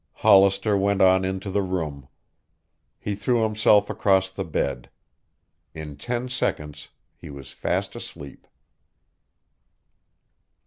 Hollister went on into the room. He threw himself across the bed. In ten seconds he was fast asleep.